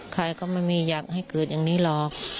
ใครก็ไม่มีอยากให้เกิดอย่างนี้หรอก